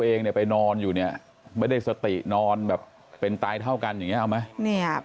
เองไปนอนอยู่นี่ไม่ได้สตินอนแบบเป็นตายเท่ากันอย่างนี้เอาไหม